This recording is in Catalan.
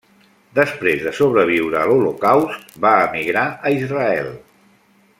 Després de sobreviure a l'Holocaust, va emigrar a Israel.